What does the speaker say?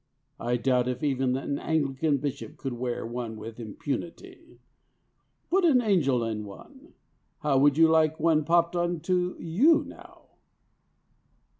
I doubt if even an Anglican bishop could wear one with impunity. Put an angel in one. How would you like one popped on to you now?